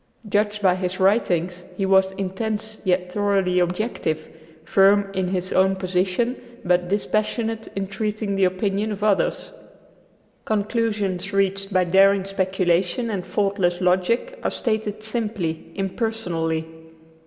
Judged by his writings, he was intense yet thoroughly objective, firm in his own position but dispassionate in treating the opinions of others. Conclusions reached by daring speculation and faultless logic are stated simply, impersonally.